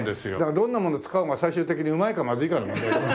どんなもの使おうが最終的にうまいかまずいかの問題。